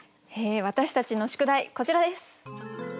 私たちの宿題こちらです。